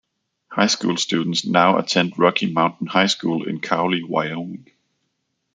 High school students now attend Rocky Mountain High School in Cowley, Wyoming.